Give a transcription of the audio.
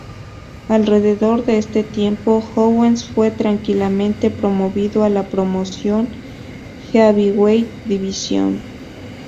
Alrededor de este tiempo, Owens fue tranquilamente promovido a la promoción heavyweight división.